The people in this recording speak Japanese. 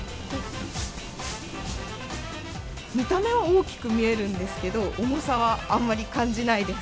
見た目は大きく見えるんですけど、重さはあんまり感じないです。